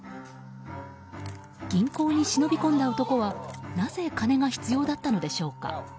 銀行に忍び込んだ男はなぜ金が必要だったのでしょうか。